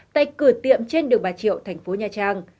tại cửa tiệm trên đường bà triệu thành phố nha trang